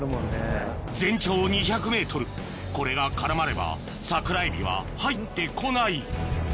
全長２００ｍこれが絡まれば桜えびは入って来ない